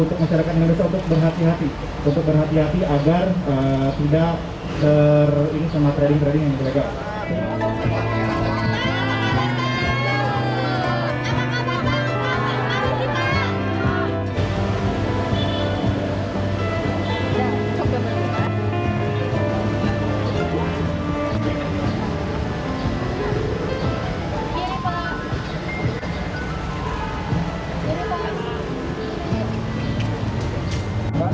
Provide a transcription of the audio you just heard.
untuk masyarakat indonesia untuk berhati hati agar tidak terlalu banyak trading yang beragam